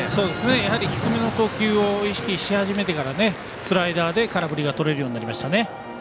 やはり低めの投球を意識し始めてからスライダーで空振りがとれるようになりましたね。